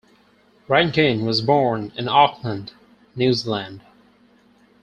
Rankin was born in Auckland, New Zealand.